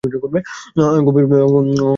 গম্ভীর মুখে এলা বলে রইল।